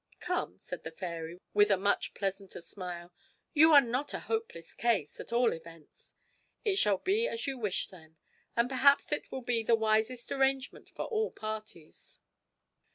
'Come,' said the fairy, with a much pleasanter smile, 'you are not a hopeless case, at all events. It shall be as you wish, then, and perhaps it will be the wisest arrangement for all parties.